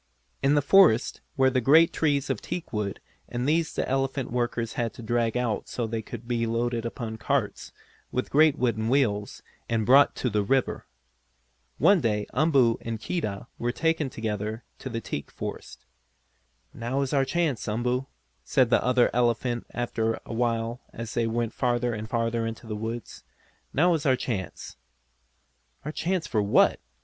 In the forest were great trees of teakwood and these the elephant workers had to drag out so they could be loaded upon carts, with great wooden wheels, and brought to the river. One day Umboo and Keedah were taken together to the teak forest. "Now is our chance, Umboo," said the other elephant after a while as they went farther and farther into the woods. "Now is our chance!" "Our chance for what?"